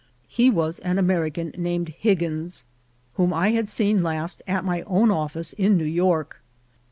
He was an American named Higgins, whom I had seen last at my own office in New York.